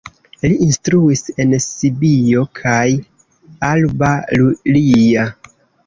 Li instruis en Sibio kaj Alba Iulia.